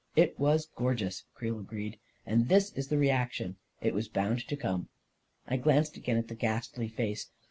44 It was gorgeous," Creel agreed; 44 and this is the reaction. It was bound to come." I glanced again at the ghastly face.